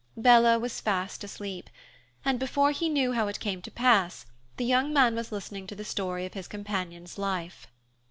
Bella was fast asleep, and before he knew how it came to pass, the young man was listening to the story of his companion's life.